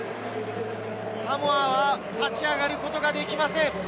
サモアは立ち上がることができません。